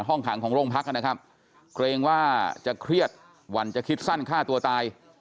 ห้องขังของโรงพักนะครับเกรงว่าจะเครียดหวั่นจะคิดสั้นฆ่าตัวตาย